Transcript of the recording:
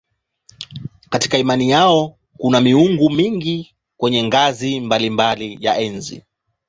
Katika imani yao kuna miungu mingi kwenye ngazi mbalimbali ya enzi.